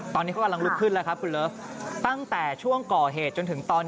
ตอนนี้เขากำลังลุกขึ้นแล้วครับคุณเลิฟตั้งแต่ช่วงก่อเหตุจนถึงตอน